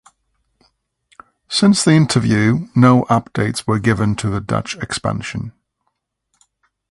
Since the interview no updates were given to the Dutch expansion.